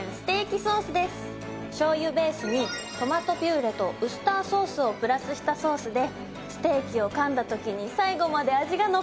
しょうゆベースにトマトピューレとウスターソースをプラスしたソースでステーキをかんだ時に最後まで味が残るんです。